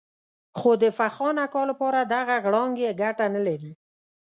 خو د فخان اکا لپاره دغه غړانګې ګټه نه لري.